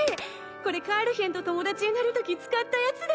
これカールヒェンと友達になるとき使ったやつだ。